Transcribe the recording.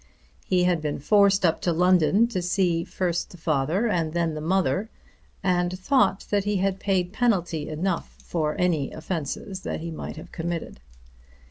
He had been forced up to London to see first the father and then the mother, and thought that he had paid penalty enough for any offence that he might have committed.